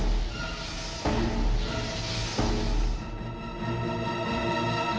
aku akan mencari siapa saja yang bisa membantu kamu